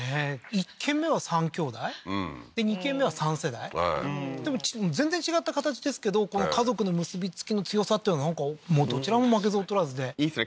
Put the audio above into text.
１軒目は３きょうだいうんで２軒目は３世代でも全然違った形ですけど家族の結びつきの強さっていうのはどちらも負けず劣らずでいいですね